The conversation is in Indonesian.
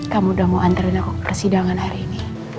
kamu udah mau antarin aku ke persidangan hari ini